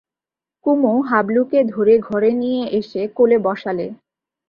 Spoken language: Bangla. কুমু হাবলুকে ধরে ঘরে নিয়ে এসে কোলে বসালে।